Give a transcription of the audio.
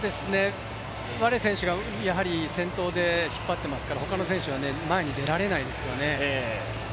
ワレ選手が先頭で引っ張っていますから、他の選手は前に出られないですよね。